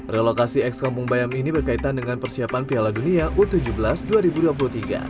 relokasi ex kampung bayam ini berkaitan dengan persiapan piala dunia u tujuh belas dua ribu dua puluh tiga